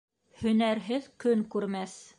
Һөнәрһеҙ көн күрмәҫ.